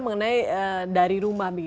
mengenai dari rumah